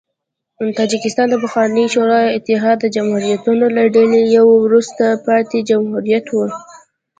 تاجکستان د پخواني شوروي اتحاد د جمهوریتونو له ډلې یو وروسته پاتې جمهوریت و.